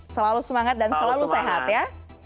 selalu semangat dan selalu sehat ya